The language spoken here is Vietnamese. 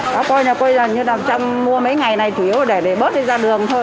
coi như là trong mấy ngày này thiếu để bớt ra đường thôi